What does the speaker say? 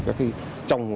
các vật liệu cháy nhiều